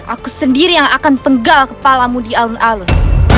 aku sendiri yang akan pegal kepalamu di alun alun